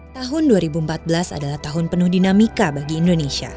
tahun dua ribu empat belas adalah tahun penuh dinamika bagi indonesia